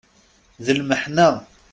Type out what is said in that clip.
D lmeḥna.